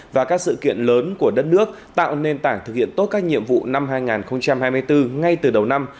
và các sự kiện lớn của đất nước tạo nền tảng thực hiện tốt các nhiệm vụ năm hai nghìn hai mươi bốn ngay từ đầu năm